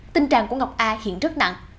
tình trạng của ngọc a hiện rất nặng